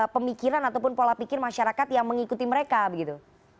pemikiran ataupun pola pikir masyarakat yang mengikuti mereka begitu